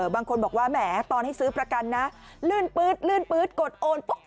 บางคนบอกว่าแหมตอนให้ซื้อประกันนะลื่นปื๊ดลื่นปื๊ดกดโอนปุ๊บ